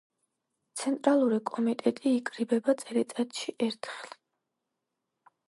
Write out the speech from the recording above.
ცენტრალური კომიტეტი იკრიბება წელიწადში ერთხელ.